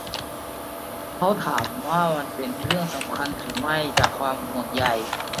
เขาถามว่ามันเป็นเรื่องสำคัญหรือไม่จากความห่วงใย.